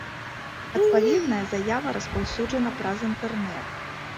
Адпаведная заява распаўсюджана праз інтэрнет.